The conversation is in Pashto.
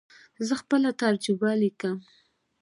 زه خپله تجربه لیکم.